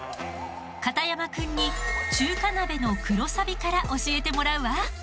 片山くんに中華鍋の黒サビから教えてもらうわ。